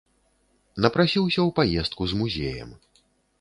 Напрасіўся ў паездку з музеем.